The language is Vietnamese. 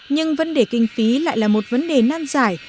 nhưng vấn đề kinh phí lại là một vấn đề nan giải